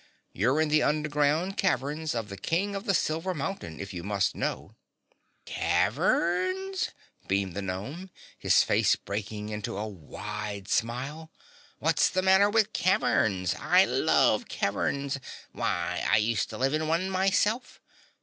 "You're in the underground caverns of the King of the Silver Mountain, if you must know." "Caverns!" beamed the gnome, his face breaking into a wide smile. "What's the matter with caverns? I LOVE caverns, why I used to live in one myself.